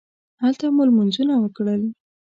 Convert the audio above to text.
هلته مو لمونځونه وکړل.